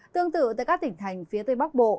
tương tự tại các tỉnh thành phía tây bắc bộ